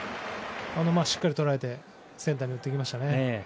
しっかり捉えてセンターに持ってきましたね。